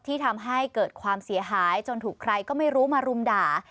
ที่ทำให้เกิดความเสียหายจนถูกใครก็ไม่รู้มารุมด่า